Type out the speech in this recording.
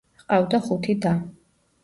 ჰყავდა ხუთი და.